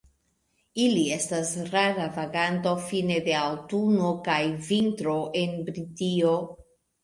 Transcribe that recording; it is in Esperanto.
Ili estas rara vaganto fine de aŭtuno kaj vintro en Britio.